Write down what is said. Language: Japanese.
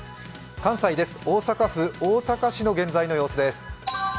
関西です、大阪府大阪市の現在の様子です。